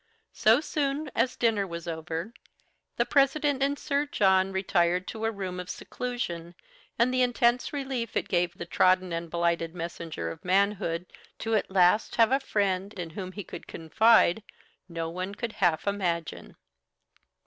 So soon as dinner was over the President and Sir John retired to a room of seclusion, and the intense relief it gave the trodden and blighted messenger of manhood to at last have a friend in whom he could confide no one could half imagine!